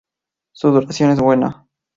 Su duración es buena.